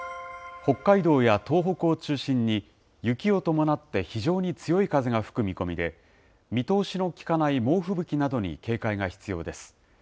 北海道や東北を中心に、雪を伴って非常に強い風が吹く見込みで、見通しの利かない猛吹雪などに警戒が必要です。